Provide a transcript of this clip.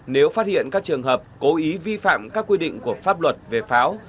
nếu phát hiện các trường hợp cố ý vi phạm các quy định của pháp luật về pháo